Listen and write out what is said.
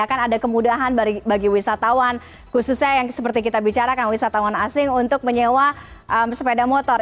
ada kemudahan bagi wisatawan khususnya yang seperti kita bicarakan wisatawan asing untuk menyewa sepeda motor